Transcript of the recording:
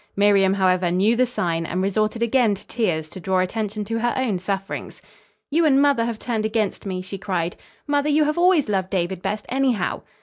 Miriam, however, knew the sign and resorted again to tears to draw attention to her own sufferings. "You and mother have turned against me," she cried. "Mother, you have always loved David best, anyhow."